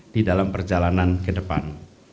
di dalam perjalanan ke depan